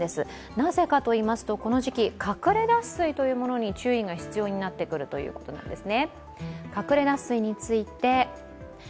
なぜかといいますと、この時期、かくれ脱水に注意が必要になってくるということなんですね。